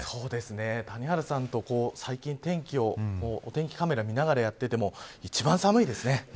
谷原さんと最近、お天気カメラ見ながらやってても一番寒いですね。